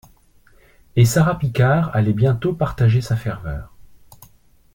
Et Sara Picard allait bientôt partager sa ferveur.